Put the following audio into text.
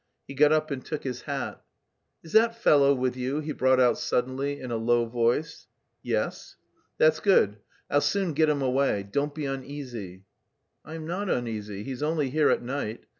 He got up and took his hat. "Is that fellow with you?" he brought out suddenly, in a low voice. "Yes." "That's good. I'll soon get him away. Don't be uneasy." "I am not uneasy. He is only here at night.